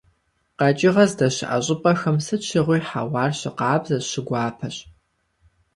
КъэкӀыгъэ здэщыӀэ щӀыпӀэхэм сыт щыгъуи хьэуар щыкъабзэщ, щыгуапэщ.